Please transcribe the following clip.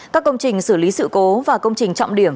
các công trình xử lý sự cố và công trình trọng điểm